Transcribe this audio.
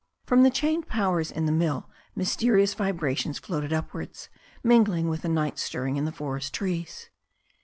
From the chained powers in the mill mysterious vibrations floated upwards, mingling with the night stirring in the forest trees.